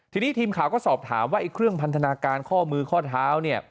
ทีนี้ทีมข่าวก็สอบถามว่าไอ้เครื่องพันธนาการข้อมือข้อเท้าเนี่ย